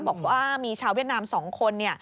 บอกว่ามีชาวเวียดนาม๒คน